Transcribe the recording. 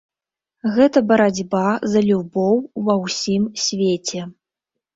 Гэта барацьба за любоў ва ўсім свеце.